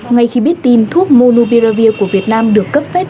ngay khi biết tin thuốc monubiravir của việt nam được cấp phép